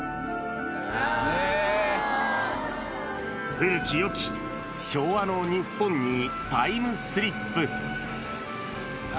古きよき昭和の日本にタイムスリップ。